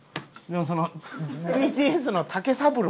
ＢＴＳの武三郎。